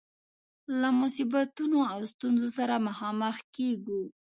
له مصیبتونو او ستونزو سره مخامخ کيږو.